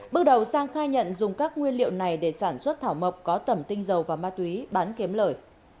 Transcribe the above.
bước đầu sang khai nhận dùng các nguyên liệu này để sản xuất thảo mộc có tẩm tinh dầu và ma túy bán kiếm lời